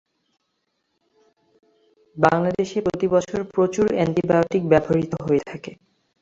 বাংলাদেশে প্রতিবছর প্রচুর অ্যান্টিবায়োটিক ব্যবহূত হয়ে থাকে।